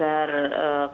kita harus berdekatan illegi